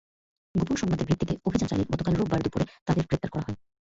পোপন সংবাদের ভিত্তিতে অভিযান চালিয়ে গতকাল রোববার দুপুরে তাঁদের গ্রেপ্তার করা হয়।